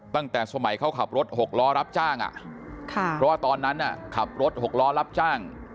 ตั้งแต่สมัยเขาขับรถหกล้อรับจ้างเพราะว่าตอนนั้นขับรถหกล้อรับจ้าง